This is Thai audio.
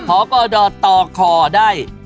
พอปอดอตต่อคอได้